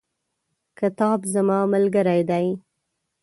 کتاب زما ملګری دی.